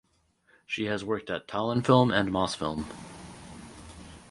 She has worked at Tallinnfilm and Mosfilm.